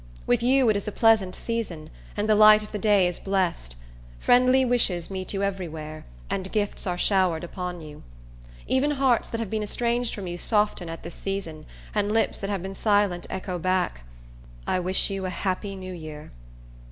With you it is a pleasant season, and the light of the day is blessed. Friendly wishes meet you every where, and gifts are showered upon you. Even hearts that have been estranged from you soften at this season, and lips that have been silent echo back, "I wish you a happy New Year."